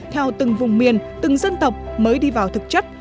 theo từng vùng miền từng dân tộc mới đi vào thực chất